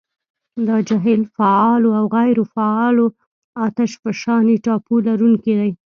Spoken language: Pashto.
دا جهیل فعالو او غیرو فعالو اتشفشاني ټاپو لرونکي دي.